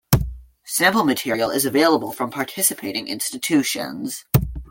Sample material is available from participating institutions.